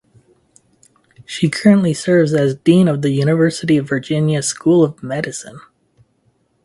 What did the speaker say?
She currently serves as Dean of the University of Virginia School of Medicine.